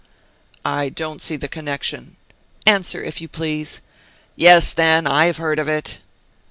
"I don't see the connection " "Answer, if you please." "Yes then! I have heard of it!"